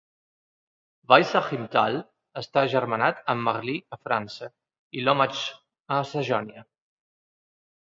Weissach im Tal està agermanat amb Marly a França i Lommatzsch a Sajonia.